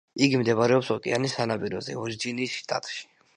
იგი მდებარეობს ოკეანის სანაპიროზე, ვირჯინიის შტატში.